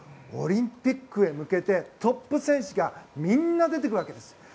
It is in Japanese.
オリンピックへ向けてトップ選手がみんな出てくるわけです。